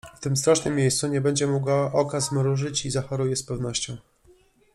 W tym strasznym miejscu nie będzie mogła oka zmrużyć i zachoruje z pewnością.